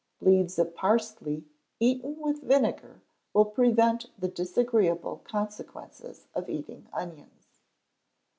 Leaves of parsley, eaten with vinegar, will prevent the disagreeable consequences of eating onions.